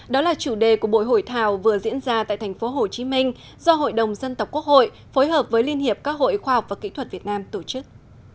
đó là chủ đề của bội hội thảo vừa diễn ra tại tp hcm do hội đồng dân tộc quốc hội phối hợp với liên hiệp các hội khoa học và kỹ thuật việt nam tổ chức